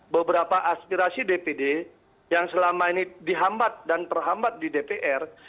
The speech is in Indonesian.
beberapa aspirasi dpd yang selama ini dihambat dan terhambat di dpr